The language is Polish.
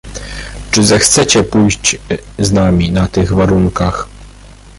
"Czy zechcecie pójść z nami na tych warunkach?"